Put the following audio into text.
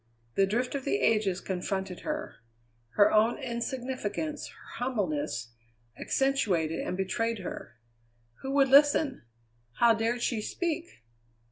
The drift of the ages confronted her. Her own insignificance, her humbleness, accentuated and betrayed her. Who would listen? How dared she speak!